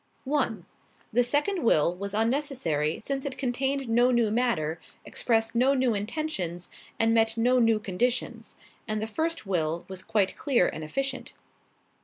"1. The second will was unnecessary since it contained no new matter, expressed no new intentions and met no new conditions, and the first will was quite clear and efficient.